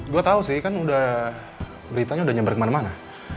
gue tau sih kan udah beritanya udah nyebar kemana mana